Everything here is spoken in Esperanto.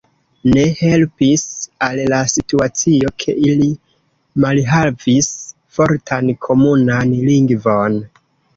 Ne helpis al la situacio, ke ili malhavis fortan komunan lingvon.